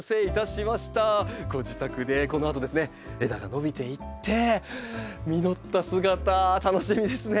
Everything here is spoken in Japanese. ご自宅でこのあと枝が伸びていって実った姿楽しみですね。